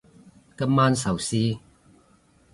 今晚壽司